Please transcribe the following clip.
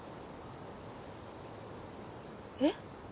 えっ？